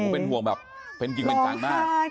เป็นห่วงแบบเป็นจริงเป็นจังมาก